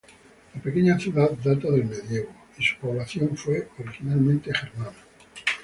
La pequeña ciudad data del medioevo, y su población fue originalmente germana.